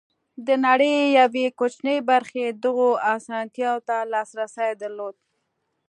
د نړۍ یوې کوچنۍ برخې دغو اسانتیاوو ته لاسرسی درلود.